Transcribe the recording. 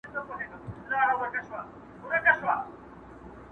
چي په تیاره کي د سهار د راتلو زېری کوي,